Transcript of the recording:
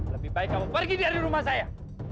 lebih baik kamu pergi dari rumah saya